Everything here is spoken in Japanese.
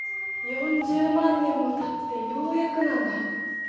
４０万年もたってようやくなんだ。